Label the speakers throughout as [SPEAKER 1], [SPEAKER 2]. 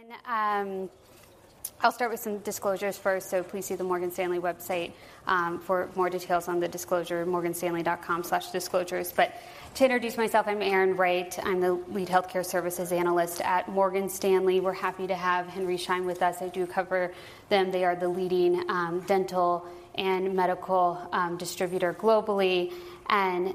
[SPEAKER 1] Good evening, everyone. I'll start with some disclosures first, so please see the Morgan Stanley website, for more details on the disclosure, morganstanley.com/disclosures. But to introduce myself, I'm Erin Wright. I'm the lead Healthcare Services Analyst at Morgan Stanley. We're happy to have Henry Schein with us. I do cover them. They are the leading, dental and medical, distributor globally, and,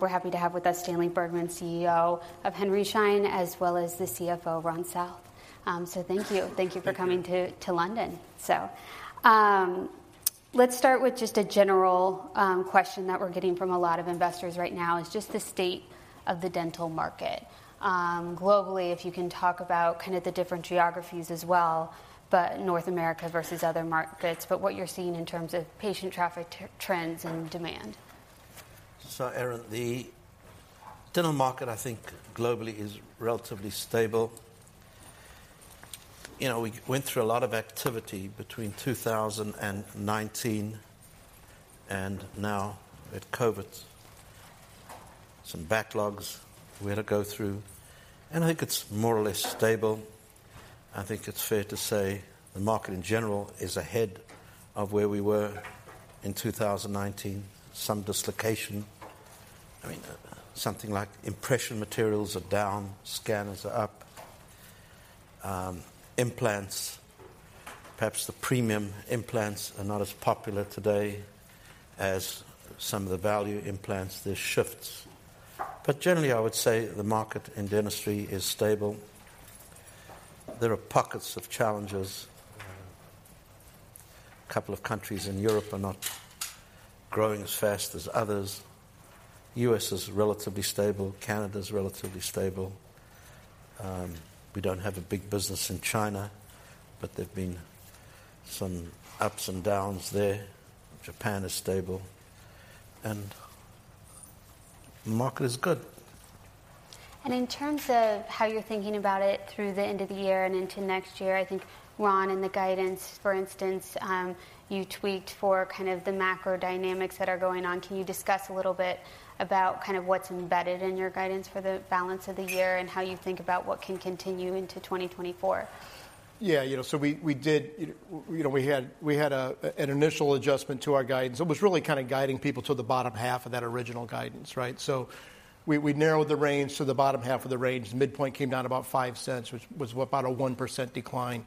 [SPEAKER 1] we're happy to have with us Stanley Bergman, CEO of Henry Schein, as well as the CFO, Ron South. So thank you. Thank you. Thank you for coming to London. So, let's start with just a general question that we're getting from a lot of investors right now, is just the state of the dental market. Globally, if you can talk about kind of the different geographies as well, but North America versus other markets, but what you're seeing in terms of patient traffic trends and demand.
[SPEAKER 2] So, Erin, the dental market, I think, globally is relatively stable. You know, we went through a lot of activity between 2000 and 2019, and now with COVID, some backlogs we had to go through, and I think it's more or less stable. I think it's fair to say the market in general is ahead of where we were in 2019. Some dislocation. I mean, something like impression materials are down, scanners are up. Implants, perhaps the premium implants are not as popular today as some of the value implants. There's shifts. But generally, I would say the market in dentistry is stable. There are pockets of challenges. A couple of countries in Europe are not growing as fast as others. U.S. is relatively stable. Canada's relatively stable. We don't have a big business in China, but there've been some ups and downs there. Japan is stable, and the market is good.
[SPEAKER 1] In terms of how you're thinking about it through the end of the year and into next year, I think, Ron, in the guidance, for instance, you tweaked for kind of the macro dynamics that are going on. Can you discuss a little bit about kind of what's embedded in your guidance for the balance of the year and how you think about what can continue into 2024?
[SPEAKER 3] Yeah, you know, so we did—you know, we had an initial adjustment to our guidance. It was really kind of guiding people to the bottom half of that original guidance, right? So we narrowed the range to the bottom half of the range. The midpoint came down about $0.05, which was about a 1% decline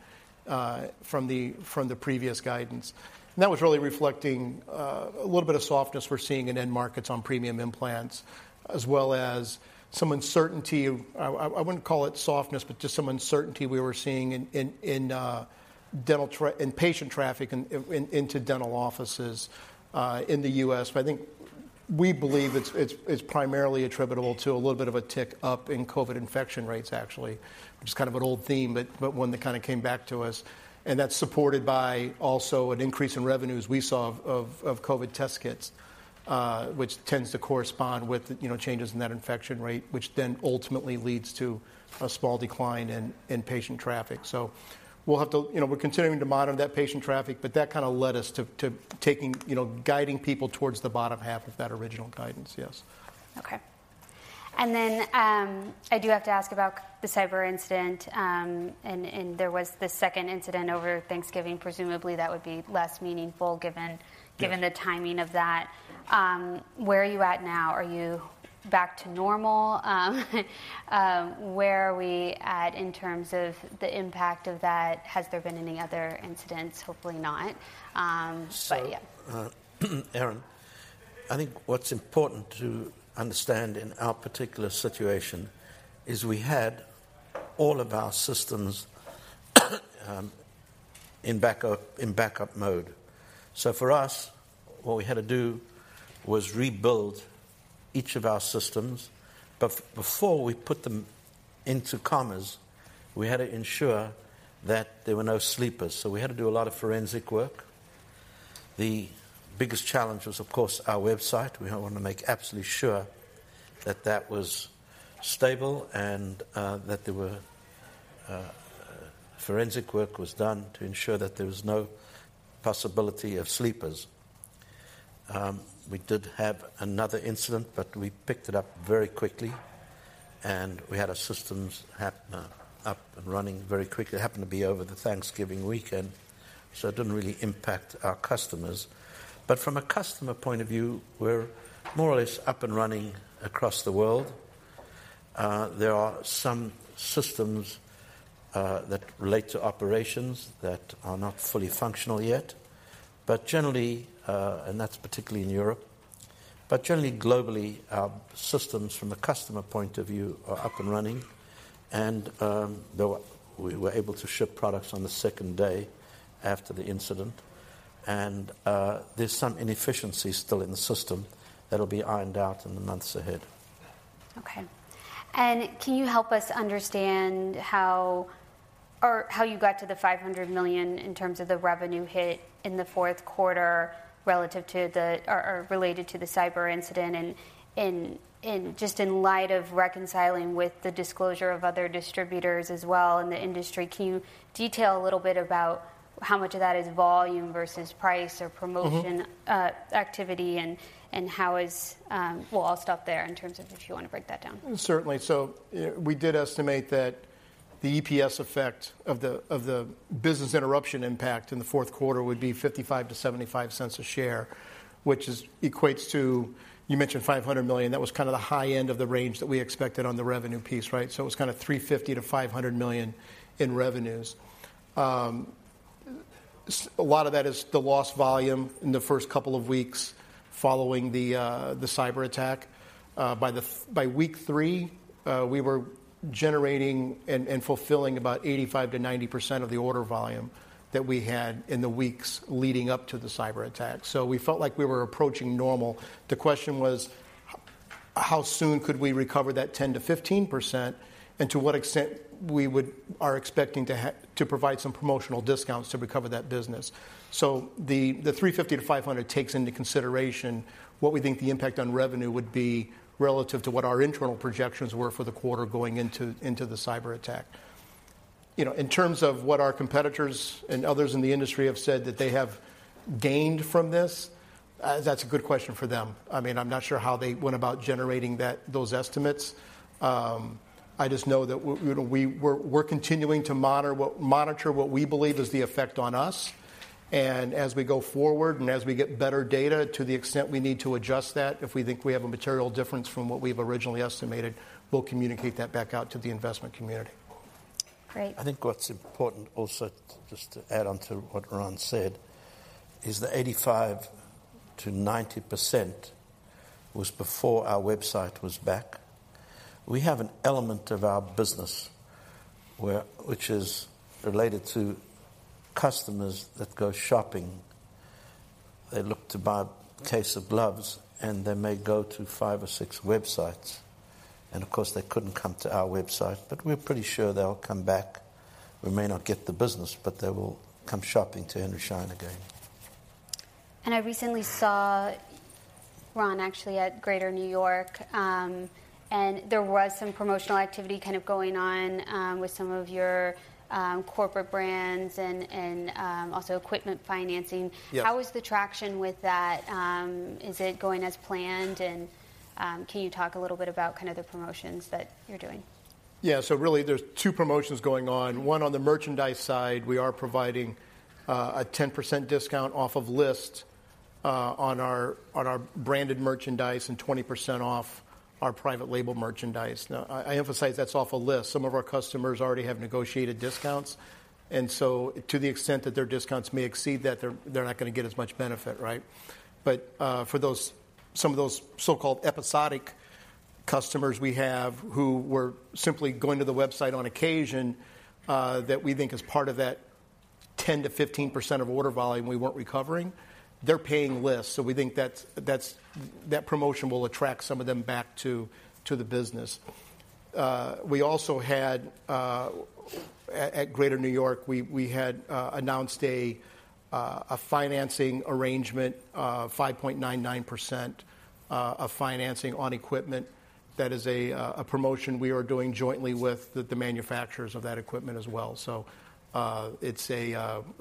[SPEAKER 3] from the previous guidance. And that was really reflecting a little bit of softness we're seeing in end markets on premium implants, as well as some uncertainty. I wouldn't call it softness, but just some uncertainty we were seeing in patient traffic into dental offices in the U.S. But I think we believe it's primarily attributable to a little bit of a tick up in COVID infection rates, actually, which is kind of an old theme, but one that kind of came back to us. And that's supported by also an increase in revenues we saw of COVID test kits, which tends to correspond with, you know, changes in that infection rate, which then ultimately leads to a small decline in patient traffic. So we'll have to you know, we're continuing to monitor that patient traffic, but that kind of led us to taking, you know, guiding people towards the bottom half of that original guidance. Yes.
[SPEAKER 1] Okay. I do have to ask about the cyber incident. And there was this second incident over Thanksgiving. Presumably, that would be less meaningful, given the timing of that. Where are you at now? Are you back to normal? Where are we at in terms of the impact of that? Has there been any other incidents? Hopefully not. But yeah.
[SPEAKER 2] So, Erin, I think what's important to understand in our particular situation is we had all of our systems in backup, in backup mode. So for us, what we had to do was rebuild each of our systems. But before we put them into commerce, we had to ensure that there were no sleepers, so we had to do a lot of forensic work. The biggest challenge was, of course, our website. We want to make absolutely sure that that was stable and that forensic work was done to ensure that there was no possibility of sleepers. We did have another incident, but we picked it up very quickly, and we had our systems up and running very quickly. It happened to be over the Thanksgiving weekend, so it didn't really impact our customers. But from a customer point of view, we're more or less up and running across the world. There are some systems that relate to operations that are not fully functional yet, but generally and that's particularly in Europe. But generally, globally, our systems from a customer point of view are up and running, and they were, we were able to ship products on the second day after the incident. And there's some inefficiency still in the system that'll be ironed out in the months ahead.
[SPEAKER 1] Okay. And can you help us understand how you got to the $500 million in terms of the revenue hit in the fourth quarter, relative to the, or related to the cyber incident? And just in light of reconciling with the disclosure of other distributors as well in the industry, can you detail a little bit about how much of that is volume versus price or promotion-
[SPEAKER 3] Mm-hmm.
[SPEAKER 1] activity, and how is, well, I'll stop there in terms of if you wanna break that down.
[SPEAKER 3] Certainly. So we did estimate that the EPS effect of the, of the business interruption impact in the fourth quarter would be $0.55-$0.75 a share, which is, equates to, you mentioned $500 million. That was kind of the high end of the range that we expected on the revenue piece, right? So it was kind of $350 million-$500 million in revenues. A lot of that is the lost volume in the first couple of weeks following the, the cyberattack. By week three, we were generating and fulfilling about 85%-90% of the order volume that we had in the weeks leading up to the cyberattack. So we felt like we were approaching normal. The question was, how soon could we recover that 10%-15%, and to what extent we are expecting to provide some promotional discounts to recover that business? So the $350 million to $500 million takes into consideration what we think the impact on revenue would be relative to what our internal projections were for the quarter going into the cyberattack. You know, in terms of what our competitors and others in the industry have said that they have gained from this, that's a good question for them. I mean, I'm not sure how they went about generating that, those estimates. I just know that you know, we're continuing to monitor what we believe is the effect on us. As we go forward and as we get better data, to the extent we need to adjust that, if we think we have a material difference from what we've originally estimated, we'll communicate that back out to the investment community.
[SPEAKER 1] Great.
[SPEAKER 2] I think what's important also, just to add on to what Ron said, is that 85%-90% was before our website was back. We have an element of our business where... which is related to customers that go shopping. They look to buy a case of gloves, and they may go to 5 or 6 websites, and of course, they couldn't come to our website, but we're pretty sure they'll come back. We may not get the business, but they will come shopping to Henry Schein again.
[SPEAKER 1] I recently saw Ron actually at Greater New York, and there was some promotional activity kind of going on with some of your corporate brands and also equipment financing.
[SPEAKER 3] Yeah.
[SPEAKER 1] How is the traction with that? Is it going as planned? Can you talk a little bit about kind of the promotions that you're doing?
[SPEAKER 3] Yeah. So really, there's two promotions going on. One, on the merchandise side, we are providing a 10% discount off of list on our branded merchandise and 20% off our private label merchandise. Now, I emphasize that's off of list. Some of our customers already have negotiated discounts, and so to the extent that their discounts may exceed that, they're not gonna get as much benefit, right? But for those, some of those so-called episodic customers we have who were simply going to the website on occasion that we think is part of that 10%-15% of order volume we weren't recovering, they're paying list. So we think that's that promotion will attract some of them back to the business. We also had at Greater New York, we had announced a financing arrangement, 5.99% of financing on equipment. That is a promotion we are doing jointly with the manufacturers of that equipment as well. So, it's a,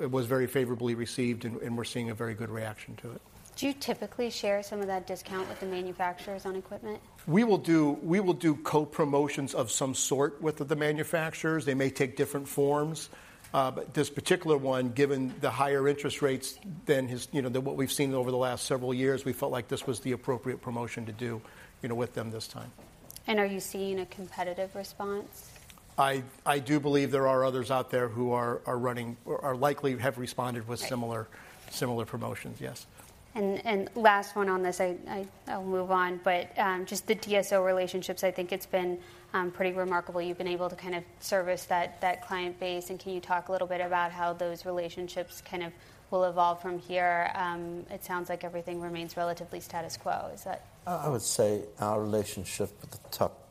[SPEAKER 3] it was very favorably received, and we're seeing a very good reaction to it.
[SPEAKER 1] Do you typically share some of that discount with the manufacturers on equipment?
[SPEAKER 3] We will do co-promotions of some sort with the manufacturers. They may take different forms, but this particular one, given the higher interest rates than has, you know, than what we've seen over the last several years, we felt like this was the appropriate promotion to do, you know, with them this time.
[SPEAKER 1] Are you seeing a competitive response?
[SPEAKER 3] I do believe there are others out there who are running or are likely have responded-
[SPEAKER 1] Right.
[SPEAKER 3] with similar promotions, yes.
[SPEAKER 1] And last one on this. I'll move on, but just the DSO relationships, I think it's been pretty remarkable. You've been able to kind of service that client base, and can you talk a little bit about how those relationships kind of will evolve from here? It sounds like everything remains relatively status quo. Is that-
[SPEAKER 2] I would say our relationship with the top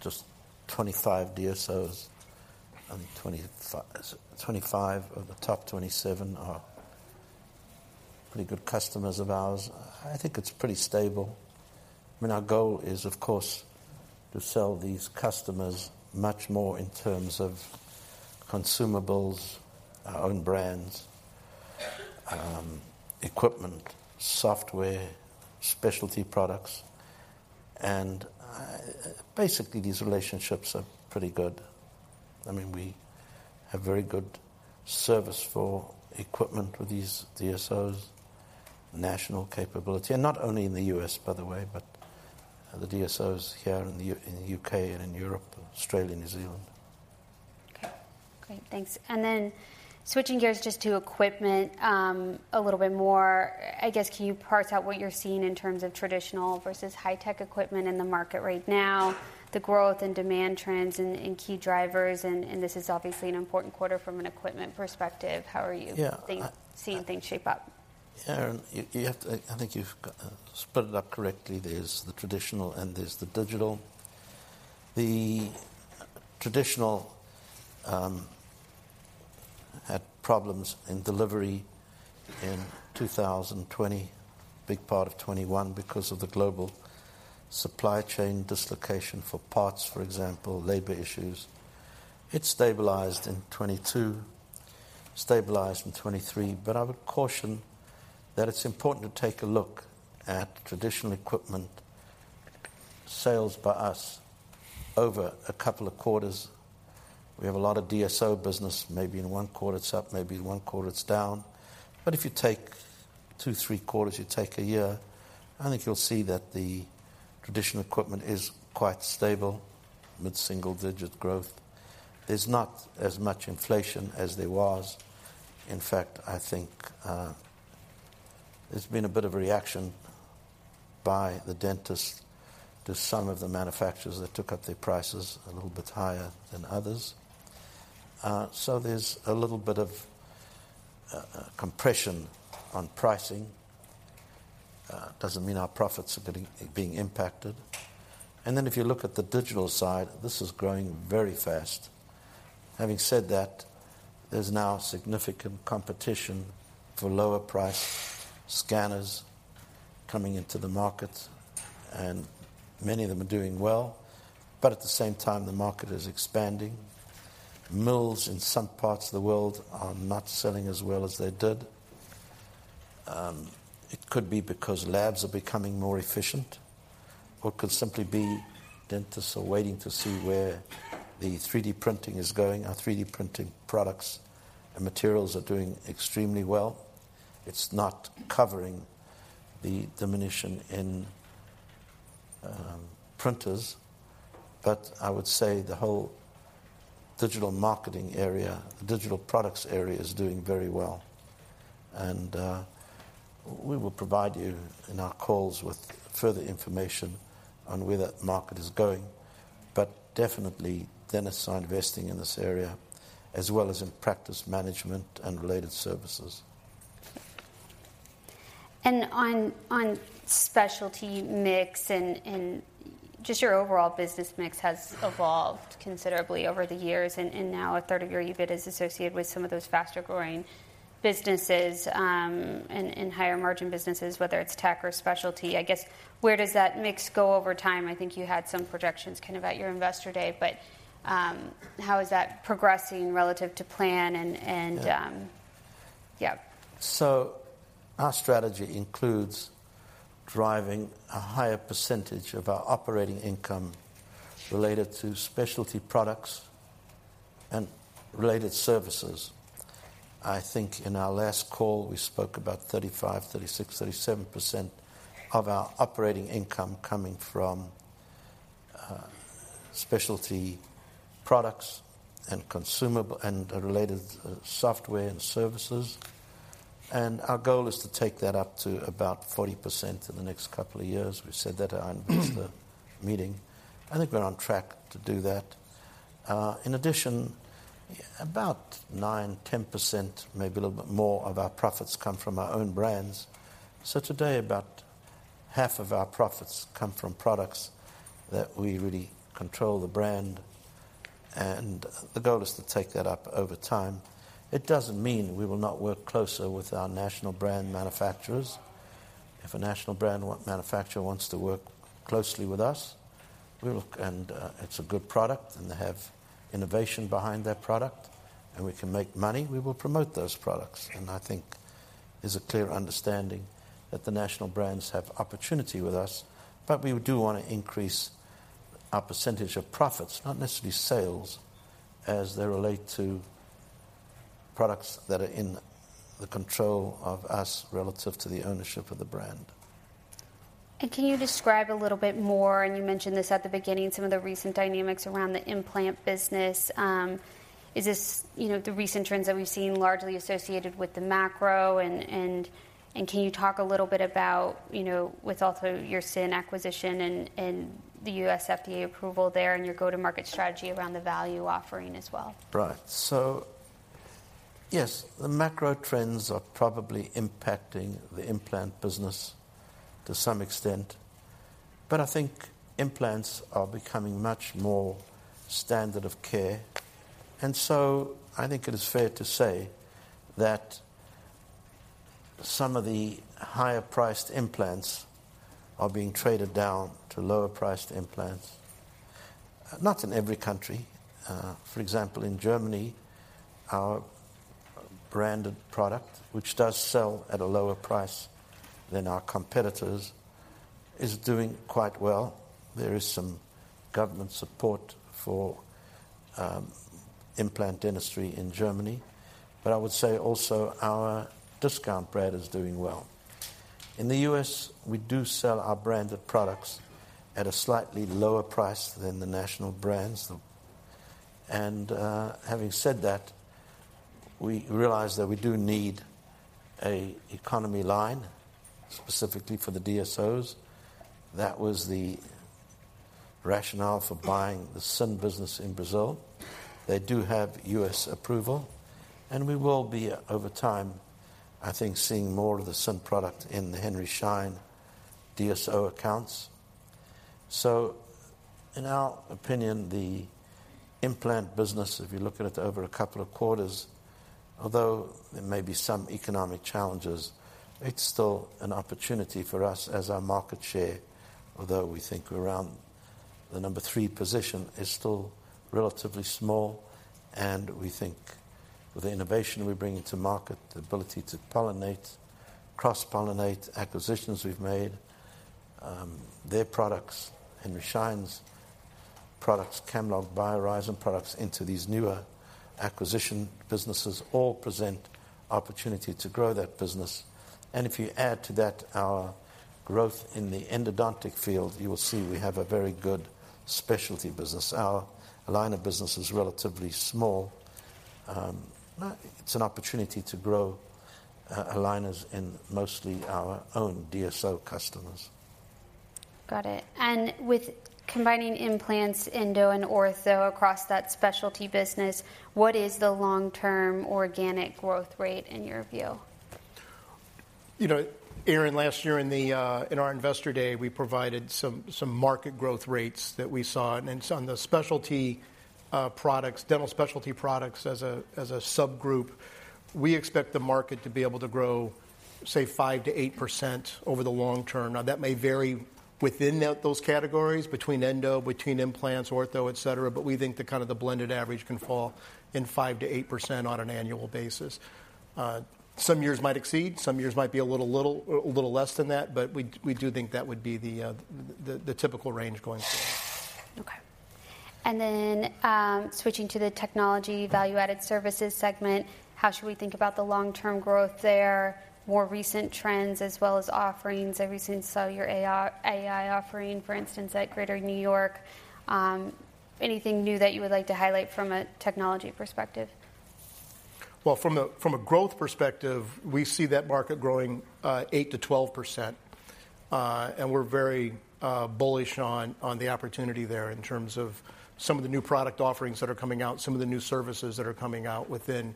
[SPEAKER 2] just 25 DSOs, I think 25 of the top 27 are pretty good customers of ours. I think it's pretty stable. I mean, our goal is, of course, to sell these customers much more in terms of consumables, our own brands, equipment, software, specialty products, and, basically, these relationships are pretty good. I mean, we have very good service for equipment with these DSOs, national capability, and not only in the U.S., by the way, but the DSOs here in the U.K. and in Europe, Australia, New Zealand.
[SPEAKER 1] Okay, great. Thanks. And then switching gears just to equipment, a little bit more, I guess, can you parse out what you're seeing in terms of traditional versus high-tech equipment in the market right now, the growth and demand trends and key drivers? And this is obviously an important quarter from an equipment perspective. How are you-
[SPEAKER 2] Yeah...
[SPEAKER 1] seeing things shape up?
[SPEAKER 2] Yeah, and you have to, I think you've split it up correctly. There's the traditional, and there's the digital. The traditional had problems in delivery in 2020, big part of 2021 because of the global supply chain dislocation for parts, for example, labor issues. It stabilized in 2022, stabilized in 2023, but I would caution that it's important to take a look at traditional equipment sales by us over a couple of quarters. We have a lot of DSO business. Maybe in one quarter, it's up, maybe in one quarter, it's down. But if you take two, three quarters, you take a year, I think you'll see that the traditional equipment is quite stable, mid-single-digit growth. There's not as much inflation as there was. In fact, I think, there's been a bit of a reaction by the dentist to some of the manufacturers that took up their prices a little bit higher than others. So there's a little bit of compression on pricing. Doesn't mean our profits are being impacted. And then if you look at the digital side, this is growing very fast. Having said that, there's now significant competition for lower price scanners coming into the market, and many of them are doing well. But at the same time, the market is expanding. Mills in some parts of the world are not selling as well as they did. It could be because labs are becoming more efficient, or it could simply be dentists are waiting to see where the 3D printing is going. Our 3D printing products and materials are doing extremely well. It's not covering the diminution in printers, but I would say the whole digital marketing area, the digital products area, is doing very well. We will provide you in our calls with further information on where that market is going, but definitely dentists are investing in this area, as well as in practice management and related services.
[SPEAKER 1] On specialty mix and just your overall business mix has evolved considerably over the years, and now a third of your EBIT is associated with some of those faster-growing businesses, and higher-margin businesses, whether it's tech or specialty. I guess, where does that mix go over time? I think you had some projections kind of at your Investor Day, but, how is that progressing relative to plan and,
[SPEAKER 2] Yeah.
[SPEAKER 1] Yeah.
[SPEAKER 2] So our strategy includes driving a higher percentage of our operating income related to specialty products and related services. I think in our last call, we spoke about 35%-37% of our operating income coming from, specialty products and consumable and related, software and services. And our goal is to take that up to about 40% in the next couple of years. We said that at our investor meeting. I think we're on track to do that. In addition, about 9%-10%, maybe a little bit more of our profits come from our own brands. So today, about half of our profits come from products that we really control the brand, and the goal is to take that up over time. It doesn't mean we will not work closer with our national brand manufacturers. If a national brand manufacturer wants to work closely with us, we look... And it's a good product, and they have innovation behind their product, and we can make money, we will promote those products. And I think there's a clear understanding that the national brands have opportunity with us, but we do want to increase our percentage of profits, not necessarily sales, as they relate to products that are in the control of us relative to the ownership of the brand.
[SPEAKER 1] Can you describe a little bit more, and you mentioned this at the beginning, some of the recent dynamics around the implant business. Is this, you know, the recent trends that we've seen largely associated with the macro? And can you talk a little bit about, you know, with also your S.I.N. acquisition and the U.S. FDA approval there and your go-to-market strategy around the value offering as well?
[SPEAKER 2] Right. So yes, the macro trends are probably impacting the implant business to some extent, but I think implants are becoming much more standard of care, and so I think it is fair to say that some of the higher-priced implants are being traded down to lower-priced implants. Not in every country. For example, in Germany, our branded product, which does sell at a lower price than our competitors, is doing quite well. There is some government support for implant dentistry in Germany, but I would say also our discount brand is doing well. In the U.S., we do sell our branded products at a slightly lower price than the national brands. And, having said that, we realize that we do need an economy line specifically for the DSOs. That was the rationale for buying the S.I.N. business in Brazil. They do have U.S. approval, and we will be, over time, I think, seeing more of the S.I.N. product in the Henry Schein DSO accounts. In our opinion, the implant business, if you look at it over a couple of quarters, although there may be some economic challenges, it's still an opportunity for us as our market share, although we think we're around the number three position, is still relatively small, and we think with the innovation we bring into market, the ability to pollinate, cross-pollinate acquisitions we've made, their products, Henry Schein's products, CAMLOG, BioHorizons products, into these newer acquisition businesses, all present opportunity to grow that business. And if you add to that our growth in the endodontic field, you will see we have a very good specialty business. Our aligner business is relatively small. It's an opportunity to grow aligners in mostly our own DSO customers.
[SPEAKER 1] Got it. With combining implants, endo, and ortho across that specialty business, what is the long-term organic growth rate in your view?
[SPEAKER 3] You know, Erin, last year in the, in our Investor Day, we provided some, some market growth rates that we saw. And on the specialty, products, dental specialty products as a, as a subgroup, we expect the market to be able to grow, say, 5%-8% over the long term. Now, that may vary within those categories, between endo, between implants, ortho, et cetera, but we think the kind of the blended average can fall in 5%-8% on an annual basis. Some years might exceed, some years might be a little less than that, but we, we do think that would be the, the typical range going forward.
[SPEAKER 1] Okay. Then, switching to the technology value-added services segment, how should we think about the long-term growth there, more recent trends, as well as offerings, everything, so your AI offering, for instance, at Greater New York, anything new that you would like to highlight from a technology perspective?
[SPEAKER 3] Well, from a growth perspective, we see that market growing 8%-12%. And we're very bullish on the opportunity there in terms of some of the new product offerings that are coming out, some of the new services that are coming out within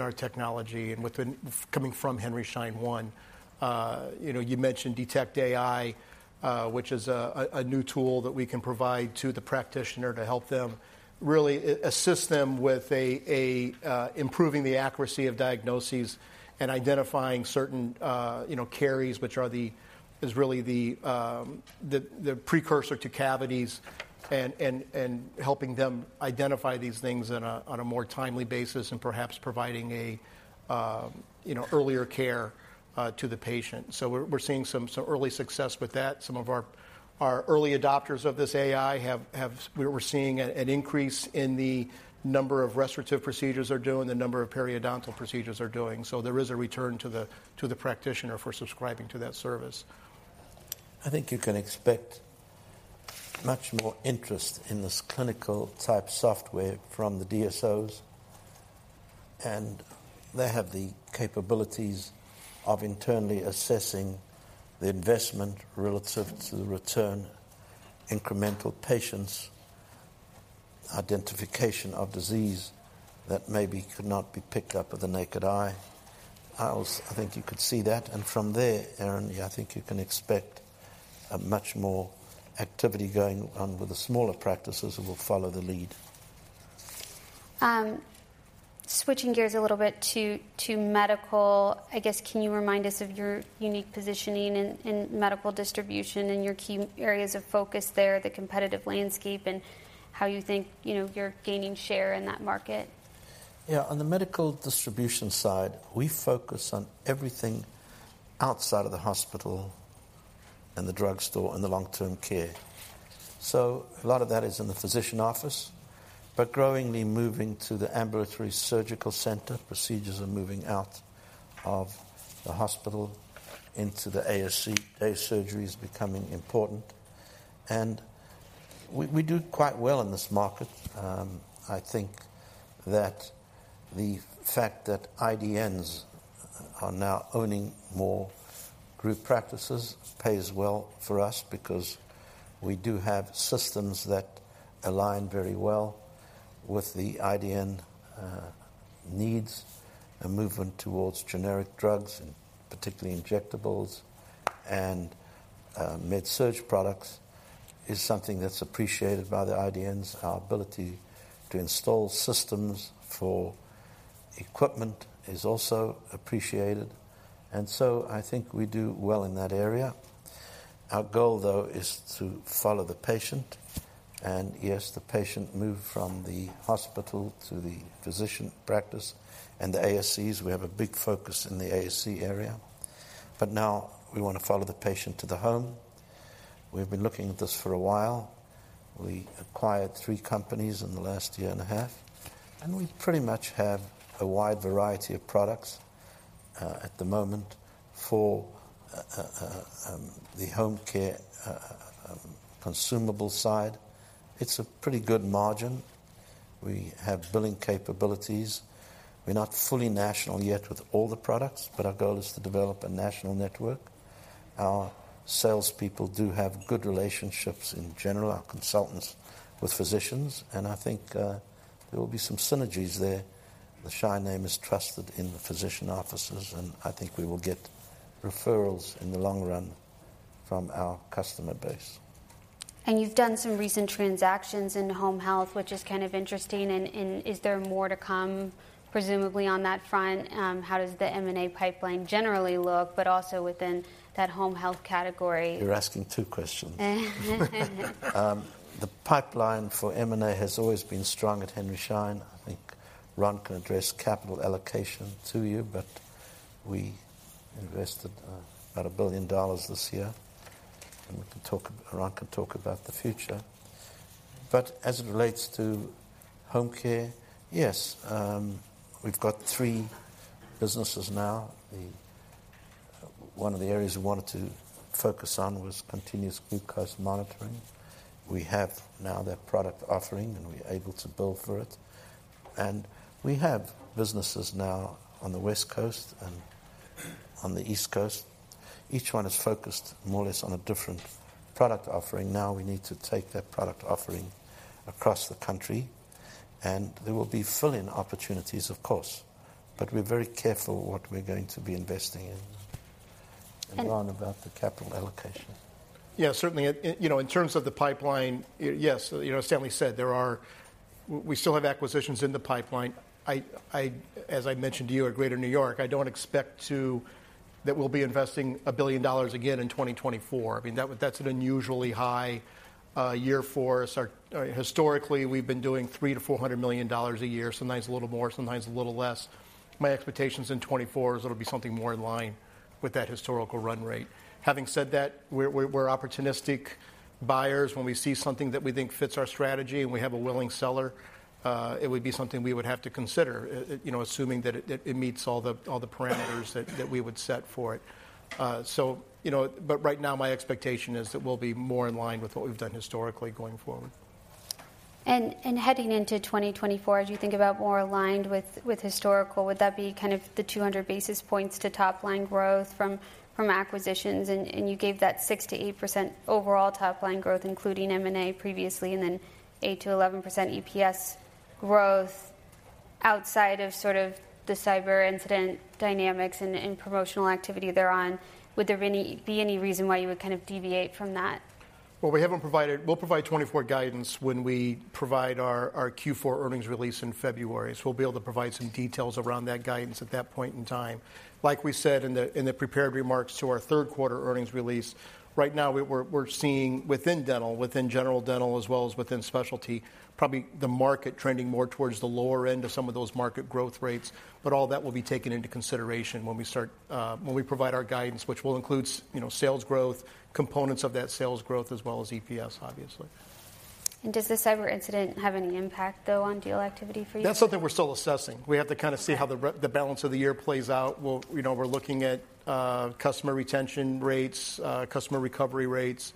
[SPEAKER 3] our technology and coming from Henry Schein One. You know, you mentioned DetectAI, which is a new tool that we can provide to the practitioner to help them, really, assist them with improving the accuracy of diagnoses and identifying certain, you know, caries, which are the is really the, the precursor to cavities, and helping them identify these things on a more timely basis and perhaps providing, you know, earlier care to the patient. So we're seeing some early success with that. Some of our early adopters of this AI have-- we're seeing an increase in the number of restorative procedures they're doing, the number of periodontal procedures they're doing. So there is a return to the practitioner for subscribing to that service.
[SPEAKER 2] I think you can expect much more interest in this clinical type software from the DSOs, and they have the capabilities of internally assessing the investment relative to the return, incremental patients, identification of disease that maybe could not be picked up with the naked eye. I also, I think you could see that, and from there, Erin, I think you can expect a much more activity going on with the smaller practices who will follow the lead.
[SPEAKER 1] Switching gears a little bit to medical, I guess, can you remind us of your unique positioning in medical distribution and your key areas of focus there, the competitive landscape, and how you think, you know, you're gaining share in that market?
[SPEAKER 2] Yeah, on the medical distribution side, we focus on everything outside of the hospital and the drugstore and the long-term care. So a lot of that is in the physician office, but growingly moving to the ambulatory surgical center. Procedures are moving out of the hospital into the ASC. Day surgery is becoming important, and we do quite well in this market. I think that the fact that IDNs are now owning more group practices pays well for us because we do have systems that align very well with the IDN needs. A movement towards generic drugs, and particularly injectables and med-surg products, is something that's appreciated by the IDNs. Our ability to install systems for equipment is also appreciated, and so I think we do well in that area. Our goal, though, is to follow the patient, and yes, the patient moved from the hospital to the physician practice and the ASCs. We have a big focus in the ASC area, but now we want to follow the patient to the home. We've been looking at this for a while. We acquired three companies in the last year and a half, and we pretty much have a wide variety of products at the moment for the home care consumable side. It's a pretty good margin. We have billing capabilities. We're not fully national yet with all the products, but our goal is to develop a national network. Our salespeople do have good relationships in general, our consultants with physicians, and I think there will be some synergies there-... The Schein name is trusted in the physician offices, and I think we will get referrals in the long run from our customer base.
[SPEAKER 1] You've done some recent transactions in home health, which is kind of interesting, and is there more to come, presumably, on that front? How does the M&A pipeline generally look, but also within that home health category?
[SPEAKER 2] You're asking two questions. The pipeline for M&A has always been strong at Henry Schein. I think Ron can address capital allocation to you, but we invested about $1 billion this year, and we can talk. Ron can talk about the future. But as it relates to home care, yes, we've got three businesses now. One of the areas we wanted to focus on was continuous glucose monitoring. We have now that product offering, and we're able to bill for it. And we have businesses now on the West Coast and on the East Coast. Each one is focused more or less on a different product offering. Now, we need to take that product offering across the country, and there will be fill-in opportunities, of course, but we're very careful what we're going to be investing in.
[SPEAKER 1] And
[SPEAKER 2] Ron, about the capital allocation.
[SPEAKER 3] Yeah, certainly, you know, in terms of the pipeline, yes, you know, as Stanley said, there are... We still have acquisitions in the pipeline. I, as I mentioned to you at Greater New York, I don't expect that we'll be investing $1 billion again in 2024. I mean, that's an unusually high year for us. Historically, we've been doing $300 million-$400 million a year, sometimes a little more, sometimes a little less. My expectations in 2024 is it'll be something more in line with that historical run rate. Having said that, we're opportunistic buyers. When we see something that we think fits our strategy, and we have a willing seller, it would be something we would have to consider, you know, assuming that it meets all the parameters that we would set for it. You know, but right now, my expectation is that we'll be more in line with what we've done historically going forward.
[SPEAKER 1] Heading into 2024, as you think about more aligned with historical, would that be kind of the 200 basis points to top-line growth from acquisitions? And you gave that 6%-8% overall top-line growth, including M&A previously, and then 8%-11% EPS growth. Outside of sort of the cyber incident dynamics and promotional activity thereon, would there be any reason why you would kind of deviate from that?
[SPEAKER 3] Well, we haven't provided... We'll provide 2024 guidance when we provide our Q4 earnings release in February. So we'll be able to provide some details around that guidance at that point in time. Like we said in the prepared remarks to our third-quarter earnings release, right now we're seeing within dental, within general dental, as well as within specialty, probably the market trending more towards the lower end of some of those market growth rates, but all that will be taken into consideration when we start, when we provide our guidance, which will include you know, sales growth, components of that sales growth, as well as EPS, obviously.
[SPEAKER 1] Does the cyber incident have any impact, though, on deal activity for you?
[SPEAKER 3] That's something we're still assessing. We have to kind of see how the balance of the year plays out. We'll... You know, we're looking at, customer retention rates, customer recovery rates,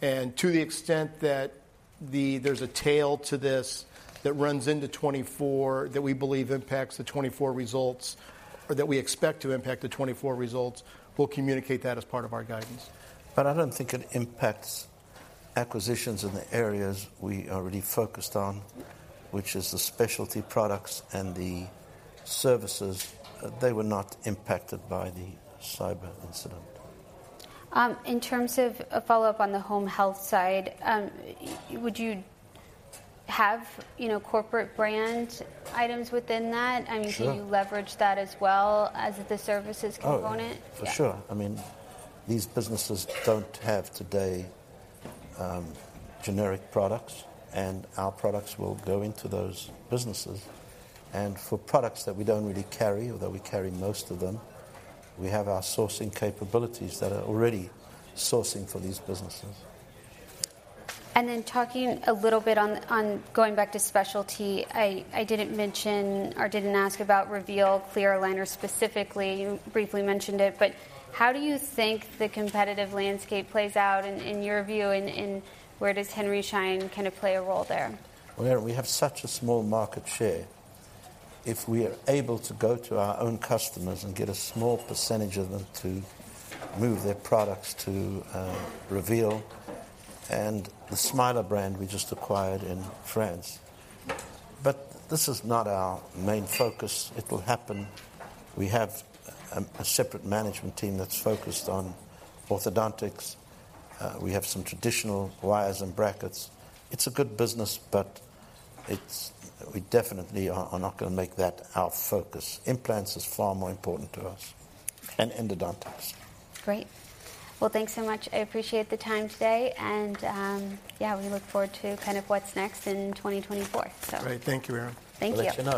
[SPEAKER 3] and to the extent that there's a tail to this that runs into 2024, that we believe impacts the 2024 results or that we expect to impact the 2024 results, we'll communicate that as part of our guidance.
[SPEAKER 2] But I don't think it impacts acquisitions in the areas we are already focused on.
[SPEAKER 1] Yeah....
[SPEAKER 2] which is the specialty products and the services. They were not impacted by the cyber incident.
[SPEAKER 1] In terms of a follow-up on the home health side, would you have, you know, corporate brand items within that?
[SPEAKER 2] Sure.
[SPEAKER 1] I mean, can you leverage that as well as the services component?
[SPEAKER 2] Oh, for sure.
[SPEAKER 1] Yeah.
[SPEAKER 2] I mean, these businesses don't have today, generic products, and our products will go into those businesses. For products that we don't really carry or that we carry most of them, we have our sourcing capabilities that are already sourcing for these businesses.
[SPEAKER 1] Then talking a little bit on going back to specialty, I didn't mention or didn't ask about Reveal clear aligner specifically. You briefly mentioned it, but how do you think the competitive landscape plays out in your view, and where does Henry Schein kind of play a role there?
[SPEAKER 2] Well, we have such a small market share. If we are able to go to our own customers and get a small percentage of them to move their products to Reveal and the Smilers brand we just acquired in France. But this is not our main focus. It'll happen. We have a separate management team that's focused on orthodontics. We have some traditional wires and brackets. It's a good business, but it's—we definitely are not gonna make that our focus. Implants is far more important to us and endodontists.
[SPEAKER 1] Great. Well, thanks so much. I appreciate the time today, and, yeah, we look forward to kind of what's next in 2024, so.
[SPEAKER 3] Great. Thank you, Erin.
[SPEAKER 1] Thank you.
[SPEAKER 2] Thank you.